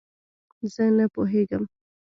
زۀ نۀ پوهېږم.